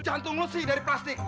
jantung lo sih dari plastik